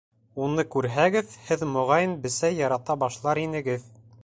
Уны күрһәгеҙ, һеҙ, моғайын, бесәй ярата башлар инегеҙ.